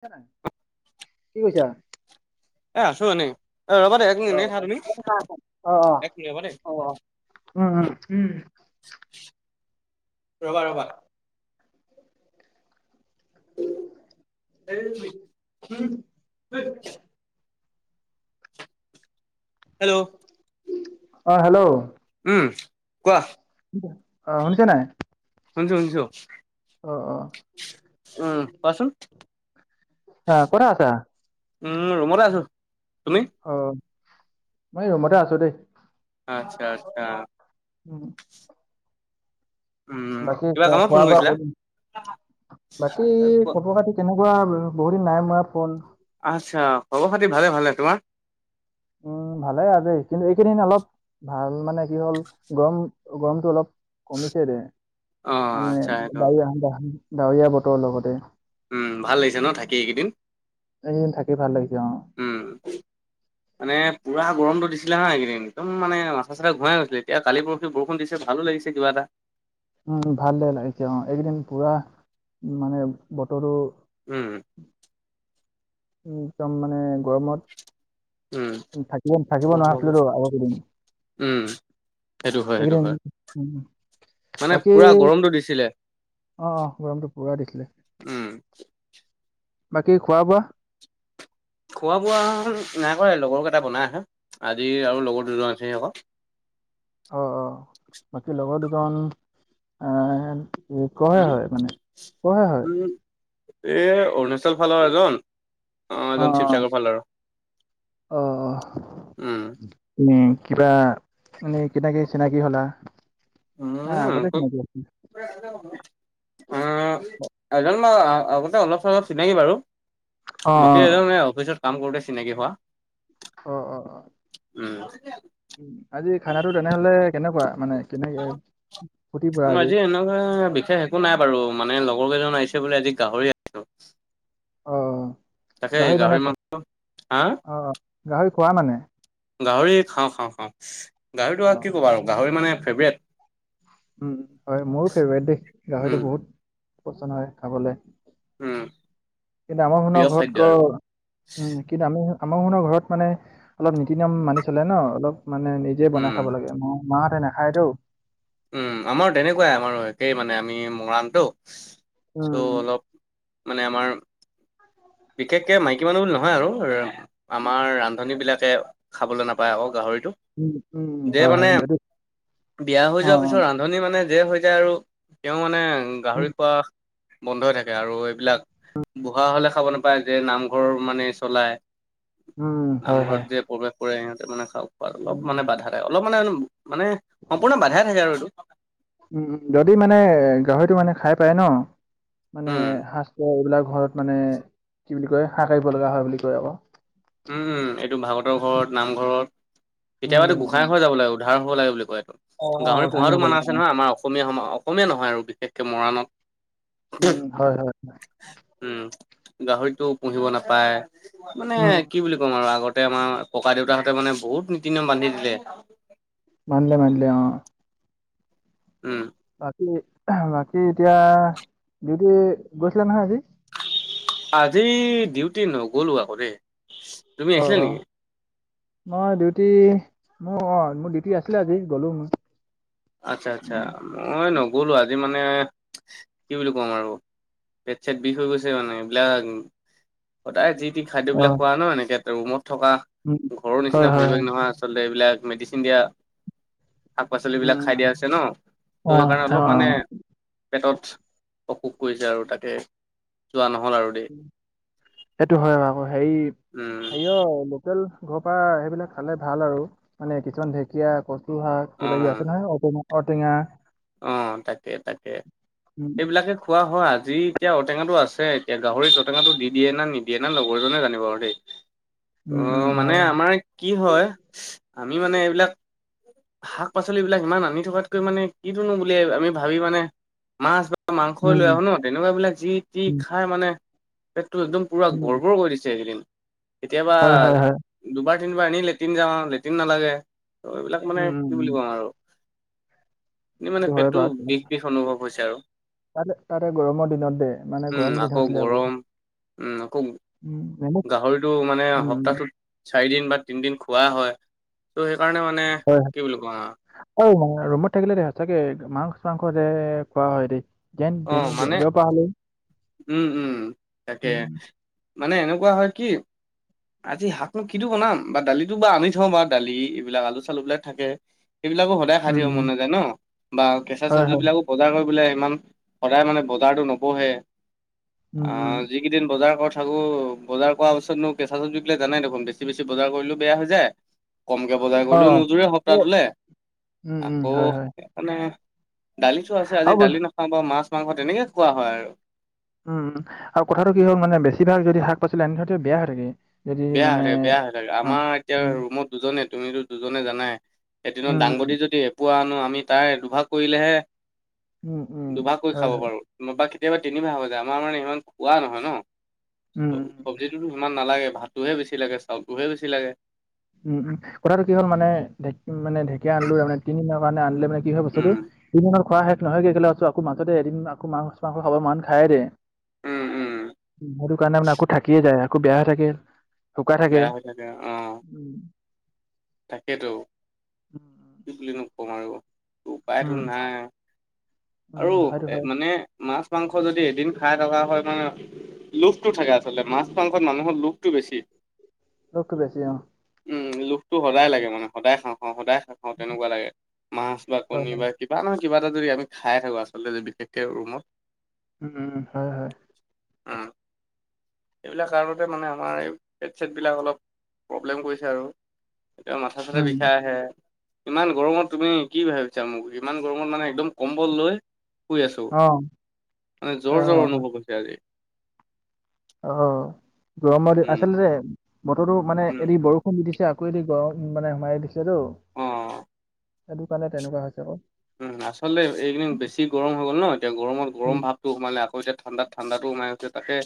শুনিছা নাই? কি কৈছা? এ আছো এনেই এ ৰ'বা দেই এক মিনিট অ', এনে খা তুমি, অ', অ', একমিনিট ৰ'বা দেই। অ অ উম উ উম। ৰ'বা ৰ'বা। [unintelligible] হেল্ল। অ হেল্ল। উম কোৱা। শুনি অ শুনিছা নাই? শুনিছোঁ শুনিছোঁ। অ অ। উম কোৱাচোন? অ [unintelligible] আছা? উ ৰুমতে আছো। তুমি? অ মই ৰুমতে আছো দেই। আচ্ছা আচ্ছা। উম। উম বাকী কিবা কামত ফোন খ-খোৱা-বোৱা কৰিছিলা কৰি, বাকী খবৰ-খাতি তেনেকুৱা বহুতদিন নাই মৰা ফোন। আচ্ছা খবৰ খাতি ভালে ভালে, তোমাৰ? উম ভালে আজি, কিন্তু এইকেইদিন অলপ ভাল মানে কি হ'ল গৰম গৰমটো অলপ কমিছেদে অ মানে আচ্ছা সেইটো ডাৱ-ডাৱৰীয়া বতৰৰ লগতে। উম, ভাল লাগিছে ন থাকি এইকেইদিন? এইকেইদিন থাকি ভাল লাগিছে, অ'। উম মানে পোৰা গৰমটো দিছিলে না এইকেইদিন একদম মানে মাথা চাথা ঘোৰাই গৈছিলে, এতিয়া কালি পৰি বৰষুণ দিছে ভালো লাগিছে কিবা এটা। উম ভাল দে লাগিছে, অ' এইকেইদিন পুৰা, মানে বতৰটো উম। একদম মানে গৰমত উম থাকিব থাকিব, হ'ব হ'ব হ'ব। নোৱাৰাছিলো আগৰ কেইদিন। উম সেইটো হয় সেইটো সেইকেইদিন হয় মানে বাকী, পুৰা গৰমটো দিছিলে। অ' অ' গৰমটো পুৰা দিছিল। উম। বাকী খোৱা বোৱা? খোৱা বোৱা নাই কৰা, লগৰকেইটা বনাই আছে, আজি আৰু লগৰ দুজন আছিল আকৌ। অ' অ', বাকী লগৰ দুজন, আ নি কয় উম, হয়, মানে নিকয় হয়। এই অৰুণাচল ফালৰ এজন, অ' এজন শিৱসাগৰ ফালৰ। অ' অ'। উম, উম কিবা, মানে কেনেকে চিনাকি হ'লা? উম না আগতে চিনাকি আছিল আ অ' এজন আগতে, অলপ চলপ চিনাকি বাৰু। অ অ বাকী এজন এ অফিচত কাম কৰোতে চিনাকি হোৱা। অ' অ' অ'। উম। আজি খানা তেনেহলে, কেনেকুৱা মানে কেনেকে? ফুটি পুৰা আজি এনেকুৱা বিশেষ একো নাই বাৰু, মানে লগৰ কেইজন আহিছে বুলি আজি গাহৰি আনিছো। অ' গাহৰি মানে, অ' হা অ' গাহৰি খোৱা মানে? গাহৰি খাওঁ খাওঁ খাওঁ, গাহৰিটো অ কি ক'ব আৰু গাহৰি মানে ফেভৰেট। উম হয়, মোৰো ফেভৰেট দেই, গাহৰিটো উম, বহুত, পচন্দ হয় খাবলৈ। উম। কিন্তু আমৰ খনৰ প্ৰিয় ঘৰত খাদ্য ক আৰু উম। কিন্তু আমি আমাৰ সনৰ ঘৰত মানে, অলপ নীতি নিয়ম মানি চলে ন অলপ মানে নিজে উম বনাই খাব লাগে, ম মাহঁতে নাখায়টো। উম, আমাৰ তেনেকুৱাই আমাৰ, একেই মানে আমি মৰাণটো চ' উম, অলপ মানে আমাৰ বিশেষকে মাইকী মানুহ বুলি নহয় আৰু আমাৰ ৰান্ধনী বিলাকে, খাবলৈ নাপায় আকৌ গাহৰিটো। উম, উম, যে হয় হয় মানে, যদি বিয়া হৈ অ', যোৱাৰ অ', পিছত ৰান্ধ ধনী মানে যে হৈ যায় আৰু, তেওঁ মানে উম, গাহৰি খোৱা বন্ধ হৈ থাকে আৰু এইবিলাক, বুঢ়া হলে খাব নাপ পায় যে নামঘৰ মানে চলায়, উম, হয় নামঘৰত হয়। যে প্ৰৱেশ কৰে সিহঁতে মানে খাওঁ অলপ উম, মানে বাধা, অলপ মানে মানে সম্পূৰ্ণ বাধাই থাকে আৰু এইটো। উম যদি মানে গাহৰিটো মানে খাই পাই ন মানে, উম সাজ পাৰ এইবিলাক ঘৰত মানে, কি বুলি কয় হাক কাৰিব লগা হয় বুলি কয় আকৌ। উম, এইটো ভাগতৰ ঘৰত, নামঘৰত, উম, কেতিয়াবাটো এই উম, গোসাই ঘৰ যাব লাগিব। উ ধাৰ হ' লাগে বুলি কয়, এইটো অ', অ', গাহৰি উধানি পোহাটো হ'ব মান লগা আছে নহয়, আমাৰ অসম অসমীয়া সম অসমীয়া নহয় আৰু বিশেষকৈ মৰাণত। উম, হয় হয়। উম, গাহৰিটো পুহিব নাপায়, মানে উম, কি বুলি ক'ম আৰু, আগতে আমাৰ ককা দেউতাহঁতে মানে বহুত নীতি নিয়ম বান্ধি দিলে। বান্ধিলে বান্ধিলে অ'। উম। বাকী, বাকী এতিয়া, ডিউটি গৈছিলে নহয় আজি। আজি ডিউটি নগ'লো আকৌ দেই। তুমি অ, আহিছিলা অ, নেকি? মই ডিউটি মোৰ অ, মোৰ ডিউটি আছিলে আজি গলোঁ মই। আচ্ছা, আচ্ছা উম। মই নগ'লো আজি মানে কি বুলি কম আৰু পেট চেট বিষ হৈ গৈছে মানে, এইবিলাক। সদাই যি টি অ খাদ্যবিলাক খোৱা ন, এনেকে ৰুমত থকা উম ঘৰৰ হয় নিচিনা হয় পৰিৱেশ হয় নহয় আছ আলতে এইবিলাক মেডিচিন দিয়া, শাক-পাচলিব বিলাক। খাই উম দিয়া আছে ন, ত, অ সেইকাৰণে অ অলপ মানে পেটত অসুখ কৰিছে আৰু তাকে, যোৱা নহ'ল আৰু। দেই সেইটো হয় আকৌ, হেৰি উম হে অ, তেল ঘৰ, পৰা সেইবিলাক খালে ভাল আৰু মানে কিছুমান ঢেঁকীয়া, ক শাক, অ কিবা কিবি আছে নহয়, ঔটা, ঔটেঙা অ, তাকে তাকে উম এইেবিলাকে খোৱা হয়, আজি এতিয়া ঔটেঙাটো আছে এতিয়া গাহৰিত ঔটেঙাাটো দি দিয়ে ন, নিদিয়ে নে লগৰজনে জানিব আৰু দেই। অ, উম উম মানে হয় আমাৰ কি হয় আমি মানে এইবিলাক শাক-পাচলি বিলাক ইমান আনি থকাতকৈ মানে কি ধনো বুলিয় আমি ভাবি মানে মাছ, বা মাংসই উম লৈ আহো ন, তেনেকুৱা বিলাক যি, তি উম খাই মানে পেটটো একদম পুৰা উম গৰ্বৰ কৰি দিছে এইকেইদিন, কেতিয়াবা হয় হয় হয় দুবাৰ, তিনিবাৰ এনে লেটিন যাওঁ, লেটিন নালাগে, ত এইবিলাক মানে উম উম কি উম বুলি কওঁ আৰু এই মানে সেইটো হয় পেটটো বাৰু বিষ- বিষ অনুভৱ হৈছে আৰু। তাতে, তাতে গৰমৰ দিনত যে, মানে উম, গৰম দিন আছিলে আকৌ, গৰম উম, আকৌ উম, নেমু গাহৰিটো মানে উম, সপ্তাহটোত চাৰি দিন বা তিনিদিন খোৱা হয়। ত, সেইকাৰণে মানে কি বুলি কোৱা অ, ৰুমত থাকিলে দেই সচাকে, মাছ-মাংস দে খোৱা হয় দেই। যেন অ, তেন মানে যোৱা পাহাল। উম, উম, তাকে মানে এনেকুৱা হয় কি। আজি শাক নো কি বনাম বা দালিটো বা আনি থওঁ বাৰ দালি এইবিলাক আলু-চালু এইবিলাক থাকে। সেইবিলাকো সদায় খাই উম, থাকিব উম, মন নাযায় ন, বা কেঁচা হয় চব্জ হয়। বিলাকো বজাৰ কৰিবলৈ ইমান সদায় মানে, বজাৰতটো নবঢ়ে উম, অ, উম, যি কেইদিন বজাৰ ক'ৰ থাকো বজাৰ কৰা পিছত মোক। কেঁচা চবজিবিলাক জানাই দেখোন বছি-বেছি বজাৰ কৰিলেও বেয়া হৈ যায়। কমকে বজাৰ অ', কৰিলেও নোযোৰে অ', সপ্তাহটোলে, উম, উম, আকৌ হয় হয়। মানে দালি টো আছে, আৰু আজি বচ দালি নাখাওঁ বা মাছ মাংস তেনেকে খোৱা হয় আৰু। উম, আৰু কথাটো কি হ'ক মানে, বেছিভাগ যদি শাক- পাচলি আনি থয় বেয়া হৈ থাকে। যদি বেয়া হৈ মানে থাকে, বেয়া হৈ থাকে, অ', আমাৰ এতিয়া উম, ৰুমত দুজনে তুমিতো দুজনে জানাই। এদিনত উম, দাংবদী যদি দিয়ে। পোৱা আনো, আমি তাই দুভাগ কৰিলেহে, উম, উম, উম, দুভাগ কৰি হয় খাব হয়। পাৰোঁ। বা কেতিয়াবা তিনিমাহ হৈ যায় আমাৰ মানে ইমান খোৱা নহয় ন, উম, উম। চ-চব্জি টো, ইমান নালাগে ভাতোহে বেছি লাগে, চাউলটোহে বেছি লাগে। উম, উম, কথাটো কি হ'ল মানে ঢ মানে ঢেকীয়া আনো তাৰে তিনিদিনৰ কাৰণে আনিলে মানে কি হয় উম, বস্তটো খোৱা শেষ নহয় গৈাস আকৌ মাজতে এদিনকৌ মাং-মাংস খাব মান খাই দে উম, উম। সেইটো কাৰণে মানে আকৌ থাকিয়ে যায় আকৌ বেয়া হৈ থাকে। বেয়া হৈ থাকে অ, উম তাকেত, কি বুলি নো কম আৰু। উপায়তো উম নাই উম আৰু সেইটো এ হয় মানে। মাছ-মাংস যদি এদিন খাই থকা হয় মানে লোভটো থাকে আচলতে মাছ-মাংসত মানুহৰ লোভটো বেছি। ৰ'দটো বেছি অ, উম লোভটো সদায় লাগে মানে, সদায় খাওঁ, খাওঁ সদায় খাওঁ, খাওঁ তেনেকুৱা লাগে মাছ বা হয় কণী বা হয় কিবা নহয় কিবা এটা যদি আমি খাই থাকো, আচলতে বিশেষকে ৰুমত উম, হয়-হয়। উম। এইবিলাক কাৰণতে মানে আমাৰ এই পেট-ছেট বিলাক অলপ প্ৰব্লেম কৰিছে আৰু। এয়া মাথা-চাথা উম বিষাই আহে। ইমান গৰমত তুমি কি ভাবিছা মোক ইমান গৰমত মানে একদম কম্বল লৈ শুই আছো, অ মানে জ্বৰ-জ্বৰ অ অনুভৱ হৈছে আজি। অ, গৰমৰ দিন উম আচলতে বতৰতো মানে উম, এদি বৰষ দিছে আকৌ এদি গৰম মানে সোমাই দিছেতো, অ সেইটো কাৰণে তেনেকুৱা হৈছে আকৌ। উম, আচলতে এইকেদিন বেছি গৰম হৈ গ'ল ন এতিয়া গৰমত উম গৰম ভাৱ টো সোমালে আকৌ এতিয়া ঠাণ্ডাত ঠাণ্ডাতো সোমাইছে তাকে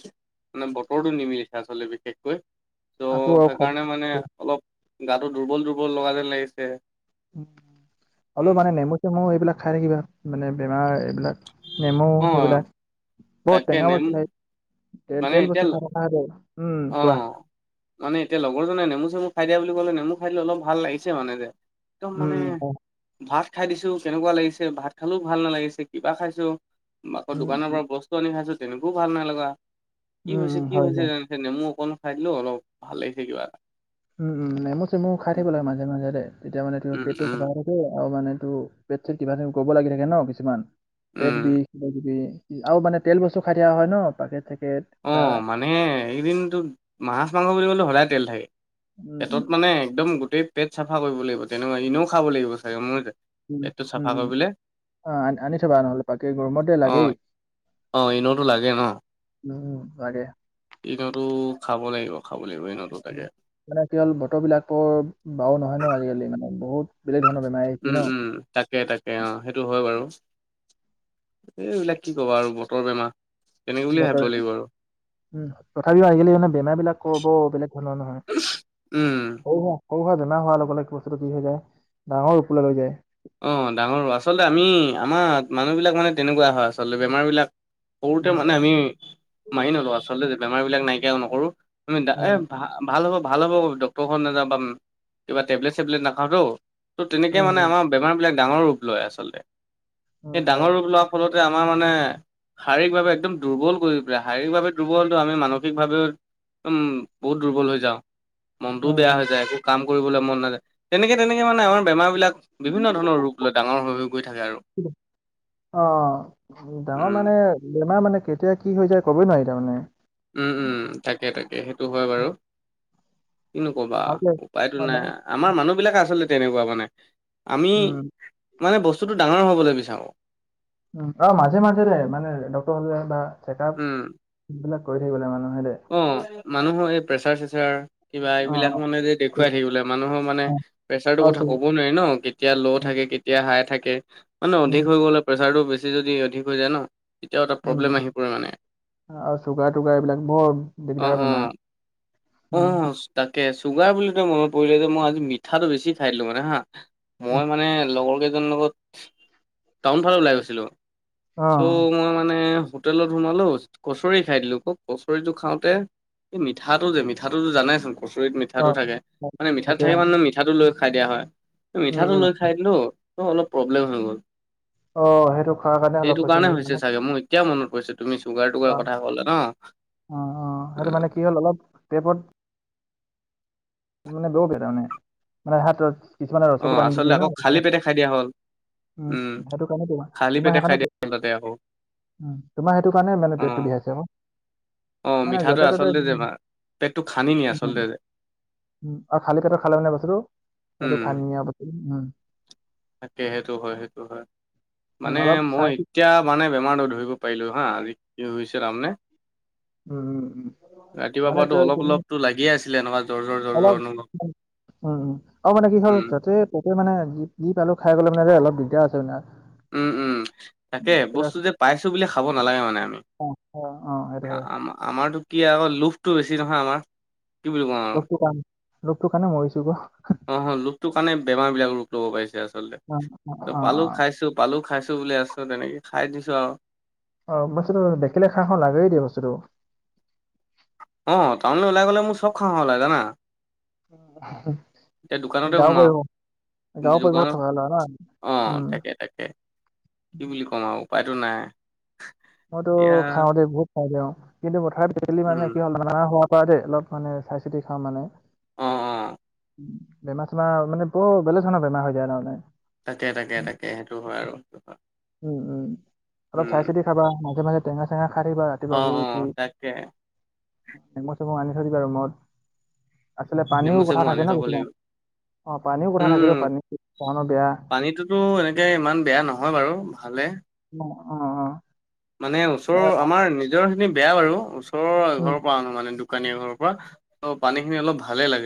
মানে বতৰটো নিমিলিছে আচলতে বিশেষকৈ। ত' আকৌ সেইকাৰণে মানে অলপ গাটো দুৰ্বল-দুৰ্বল লগা যেন লাগিছে। অলপ উম মানে নেমু-চেমু এইবিলাক খাই থাকিবা মানে বেমাৰ এইবিলাক নেমু অ সেইবিলাক। বৰ তাকে টেঙা নেমু বস্তু, মানে তেল-তেল এতিয়া বস্তু খাই [unintelligible] উম, অ কোৱা। মানে এতিয়া লগৰজনে নেমু-চেমু খাই দিয়া বুলি ক'লে নেমু খাই দিলে অলপ ভাল লাগিছে মানে যে। একদম মানে উম হয় ভাত খাই দিছো কেনেকুৱা লাগিছে ভাত খালেও ভাল নালাগিছে কিবা খাইছো। আকৌ উম দোকানৰ উম পৰা বস্তু আনি খাইছো তেনেকৈও ভাল নাই লগা, কি উম হৈছে, উম, কি হয় হৈছে হয় জান নেমু অকণ খাই দিলো অলপ ভালে লাগিছে কিবা এটা। উম, উম, নেমু-চেমু খাই থাকিব লাগে মাজে-মাজে দে, তেতিয়া মানে তোৰ উম পেটটো চা উম আৰু মানে তোৰ পেট-চেট কিবা কৰিব লাগি থাকে ন কিছুমান, পেট উম বিষ কিবা কিবি। আৰু মানে তেল বস্তু খাই দিয়া হয় ন পাকেট-চেকেট। অ, মানে এইদিন তোৰ মাছ-মাংস বুলি কলে সদায় তেল থাকে। উম পেটত মানে একদম গোটেই পেট চাফা কৰিব লাগিব তেনেকুৱা ইনও খাব লাগিব চাগে মই উম, উম, অ আনি থবা নহ'লে বাকে গৰমতে অ লাগেই। অ, ইনোটো লাগে ন? উম, লাগে। ইনোটো খাব লাগিব, খাব লাগিব ইনো। মানে কেৱল বতৰ বিলাকৰ বাৰু নহয় ন আজিকালি মানে বহুত বেলেগ ধৰণৰ বেমাৰী উম, উম, তাকে-তাকে অ, সেইটো হয় বাৰু। এই এইবিলাক কি ক'বা আৰু বতৰ বেমাৰ। তেনেকে বুলিয়ে বতৰ ভাবিব লাগিব আৰু উ তথাপিও আজিকালি মানে বেমাৰ বিলাক কব বেলেগ ধৰণৰ নহয়। উম। সৰু সুৰা সৰু সুৰা বেমাৰ হোৱাৰ লগে-লগে কি বস্তুটো কি হৈ যায় ডাঙৰ ৰূপলৈ লৈ যায়। অঁ ডাঙৰো, আচলতে আমি আমাৰ মানুহবিলাক মানে তেনেকুৱা হয় আচলতে বেমাৰবিলাক সৰুতে উম মানে আমি মানি নলোও আচলতে যে বেমাৰ বিলাক নাইকিয়াও নকৰো আমি এ উম ভাল ভাল হ'ব, ভাল হ'ব ডক্তৰ ঘৰত নযা পাম, কিবা টেবলেট-চেবলেট নাখাওতো। তো তেনেকৈ উম মানে উম আমাৰ বেমাৰবিলাক ডাঙৰ ৰূপ লয় আচলতে, উম, সেই হয় ডাঙৰ হয় ৰূপ লোৱা ফলতে আমাৰ মানে শাৰীকভাৱে একদম দুৰ্বল কৰি পেলাই, শাৰীকভাৱে দুৰ্বলতো আমি মানসিকভাৱেও একদম বহুত দুৰ্বল হৈ যাওঁ। মনটোও উম বেয়া উম হৈ যায় একো কাম কৰিবলৈ মন নাযায়, তেনেকে-তেনেকে মানে আমাৰ বেমাৰ বিলাক বিভিন্ন ধৰণৰ ৰূপ লৈ ডাঙৰ হৈ-হৈ গৈ থাকে আৰু। অঁ, ডাঙৰ উম মানে বেমাৰ মানে কেতিয়া কি হৈ যায় কবই নোৱাৰি তাৰমানে। উম, উম, তাকে-তাকে সেইটো হয় বাৰু কিনো ক'বা ভালকে উপায়তো অ বা নাই। আমাৰ মানুহ বিলাক আচলতে তেনেকুৱা মানে আমি উম মানে বস্তুটো ডাঙৰ হবলৈ বিচাৰো। অ, মাজে-মাজে দে মানে ডক্তৰ হলে বা চেক আপ উম সেইবিলাক কৰি থাকিবলে মানুহে দে। অ, মানুহৰ এই প্ৰেছাৰ-থেচাৰ কিবা অ এইবিলাক অ মানে যে ঠিক। দেখুৱাই থাকিবলৈ মানুহৰ মানে অ অ, প্ৰেচাৰটো কথা চব। কব নোৱাৰি ন কেতিয়া ল' থাকে কেতিয়া হাই থাকে মানে উম অধিক হৈ গ'লে প্ৰেছাৰটো বেছি যদি অধিক হৈ যায় ন, তেতিয়াও এটা উম। প্ৰব্লেম আহি পৰে মানে। আৰু চুগাৰ-টুগাৰ এইবিলাক বৰ অ দিগদাৰ অ বেমাৰ। অ উম। তাকে চুগাৰ বুলি ত মনত পৰিলে, ত মই আজি মিঠাটো বেছি খাই দিলো মানে হা। উম। মই মানে লগৰ কেইজনৰ লগত টাউন ফালা ওলাই গৈছিলো। চ' অ', মই মানে হোটেলত সোমালো কচৰি খাই দিলো কওক। কচৰিতটো খাওঁতে এই মিঠাটো যে মিঠাটোতো জানেচোন কচৰিত মিঠাটো অ', থাকে, মানে মিঠাত থাকে মানেহে মিঠাটো লৈ খাই দিয়া হয়। উম, মিঠাটো উম, লৈ খাই দিলো ত অলপ প্ৰব্লেম হৈ গ'ল। অ সেইটো খোৱাৰ কাৰণে অলপ হৈছে নেকি। মানে তেতিয়া মনত পৰিছে তুমি চুগাৰ-তুগাৰ অ', কথা কলা ন। অ অ সেইটো মানে কি হ'ল অলপ টেপত অ আচলতে আকৌ খালী পেটে খাই দিয়া হ'ল [unintelligible] উম সেইটো কাৰণেটো খালী তোমাৰ পেটে খাই সেইকাৰণে দিয়া হ'ল তাতে আকৌ উম তোমাৰ সেইটো মানে মানে অ পেটটো বিয়াইছে অ মিঠাটো আচলতে বেমাৰ পেটটো খানিনি উম, আচলতে উম, [unintelligible] তাকে সেইটো হয় সেইটো হয়। উম, মানে অলপ মই চাই চিতি- এতিয়া মানে বেমাৰটো ধৰিব পাৰিলো হা আজি কি হৈছে তাৰমানে। উম, উম, উম, ৰাতিপুৱাৰ মানে পৰাটো তই অলপ তুমি অলপতো লাগিয়ে আছিলে এনেকুৱা জৰ-জৰ-জৰ-জৰ অনুভৱ। অলপ উম উম আৰু মানে কি হ'ল উম, তেতিয়া মানে যি পালো খাই গ'লে মানে যে অলপ দিগদাৰ আছে মানে। উম উম তাকে প্লাছ বস্তুটো পাইছোঁ বুলি খাব নালাগে মানে আমি। অ', অ', সেইটো হয়। আ-আম-আমাৰতো কি আকৌ লোভটো বেছি নহয় আমাৰ। কি বুলি কওঁ উম আৰু। লোভটো কাৰণে লোভটো কাৰণে মৰিছো যে। অ লোভটো কাৰণে বেমাৰ বিলাক ৰূপ লব পাৰিছে আচলতে। অ', অ', ত অ', পালো অ', খাইছো পালু খাইছো বুলি আছো তেনেকে খাই দিছো আৰু। অ বস্তুতো দেখিলে খাওঁ খাওঁ লাগেই দিয়া বস্তুতটো। অ টাউনলৈ ওলাই গ'লে মোৰ চব খাওঁ খাওঁ লাগে জানা। উম। এতিয়া দোকানতে সোমাও পৰিৱেশত দোকানত থকা ল'ৰা ন আমি। অ উম, তাকে তাকে কি বুলি ক'ম আৰু উপায়টো নাই। মইতো এতিয়া খাওঁ দে বহুত খাওঁ দিও কিন্তু পথাৰত উম, [unintelligible] হোৱা পৰা দে অলপ মানে চাই চিতি খাওঁ মানে। অ অ। বেমাৰ-চেমাৰ মানে বৰ বেলেগ ধৰণৰ বেমাৰ হৈ যায় তাৰমানে। তাকে তাকে তাকে সেইটো হয় আৰু সেইটো হয় আৰু উম উম অলপ চাই চিতি খাবা মাজে মাজে টেঙা-চেঙা খাই থাকিবা অ', ৰাতিপুৱা শুই অ', উঠি। তাকে নেমু-চেমু আনি থৈ দিব ৰুমত। আচলে নেমু পানীও কথা চেমু থাকে আনি ন থ'ব কিছুমান, লাগিব অ পানীও কথা উম, থাকে পান- বেয়া। টো এনেকে ইমান বেয়া নহয় বাৰু ভালে। অ অ অ। মানে ওচৰৰ আমাৰ নিজৰ খিনি বেয়া বাৰু ওচৰৰ এ অ ঘৰৰ পৰা আনো মানে দুকানীয়ে এঘৰৰ পৰা ত পানী খিনি অলপ ভালে লাগে।